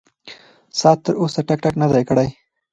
ساعت تر اوسه ټک ټک نه دی کړی.